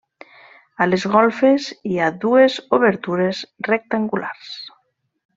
A les golfes hi ha dues obertures rectangulars.